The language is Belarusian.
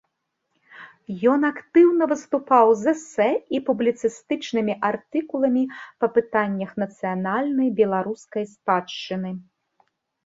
Ён актыўна выступаў з эсэ і публіцыстычнымі артыкуламі па пытаннях нацыянальнай беларускай спадчыны.